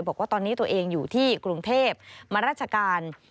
บอกว่าตอนนี้ตัวเองอยู่ที่กรุงเทพมาราชการ